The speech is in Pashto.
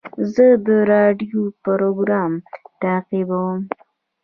زه د راډیو پروګرام تعقیبوم.